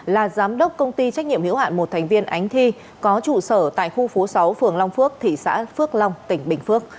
là giám đốc công ty trách nhiệm hiểu hạn một thành viên ánh thi có trụ sở tại khu phố sáu phường long phước thị xã phước long tỉnh bình phước